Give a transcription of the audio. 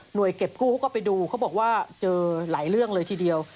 โดยเก็บกู้เขาก็ไปดูเขาบอกว่าเจอหลายเรื่องเลยทีเดียว